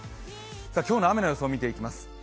今日の雨の予想を見ていきます。